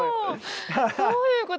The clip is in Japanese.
どういうこと？